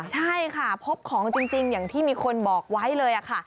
ใช่ค่ะพบของจริงอย่างที่มีคนบอกไว้เลยค่ะ